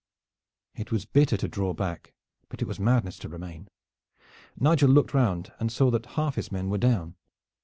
It was bitter to draw back; but it was madness to remain. Nigel looked round and saw that half his men were down.